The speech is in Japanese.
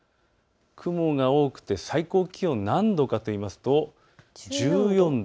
雲が多くて最高気温、何度かといいますと１４度。